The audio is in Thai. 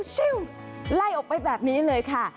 ชิวไล่ออกไปแบบนี้เลยค่ะ